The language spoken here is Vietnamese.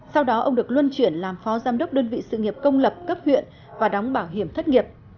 sau đó ông được luân chuyển làm phó giám đốc đơn vị sự nghiệp công lập cấp huyện và đóng bảo hiểm thất nghiệp